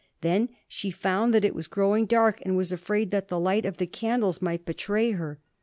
Then she found that it was growing dark, and was afraid that the light of the candles might betray her.